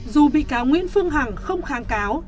dù bị cáo nguyễn phương hằng không kháng cáo